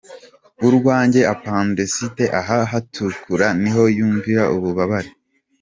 Urwaye Appndicite aha hatukura niho yumvira ububabare.